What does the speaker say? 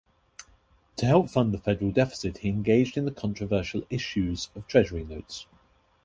To help fund the federal deficit he engaged in controversial issues of Treasury Notes.